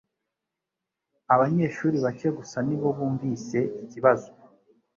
Abanyeshuri bake gusa ni bo bumvise ikibazo.